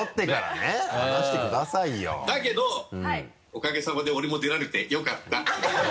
おかげさまで俺も出られてよかった。